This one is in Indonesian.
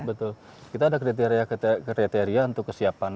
betul kita ada kriteria kriteria untuk kesiapan